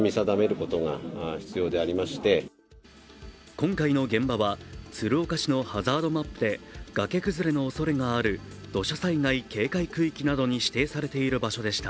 今回の現場は鶴岡市のハザードマップで崖崩れのおそれがある土砂災害警戒区域などに指定されている場所でした。